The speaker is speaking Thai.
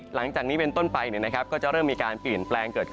หลังจากนี้เป็นต้นไฟก็เริ่มมีการกลิ่นแปลงเป็นอากาศต้ี